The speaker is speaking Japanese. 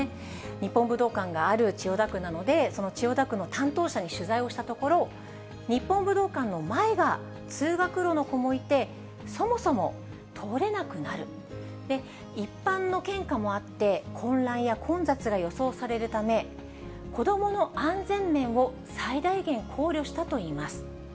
日本武道館がある千代田区なので、千代田区の担当者に取材をしたところ、日本武道館の前が通学路の子もいて、そもそも通れなくなる、一般の献花もあって、混乱や混雑が予想されるため、子どもの安全面を最大限考慮したといいます。